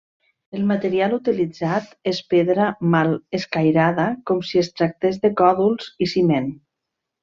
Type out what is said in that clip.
El material utilitzat és pedra mal escairada, com si es tractés de còdols i ciment.